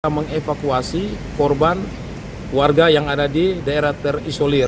mengevakuasi korban warga yang ada di daerah terisolir